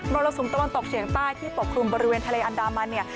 รสุมตะวันตกเฉียงใต้ที่ปกคลุมบริเวณทะเลอันดามันเนี่ย